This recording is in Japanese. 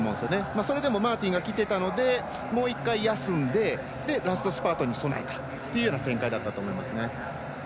それでもマーティンがきてたのでもう一回休んで、ラストスパートに備えたという展開だったと思いますね。